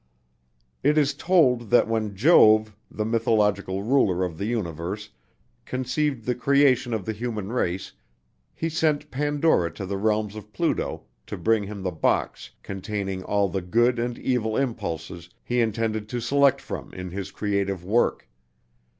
It is told that when Jove, the mythological ruler of the universe, conceived the creation of the human race, he sent Pandora to the realms of Pluto to bring him the box containing all the good and evil impulses he intended to select from in his creative work.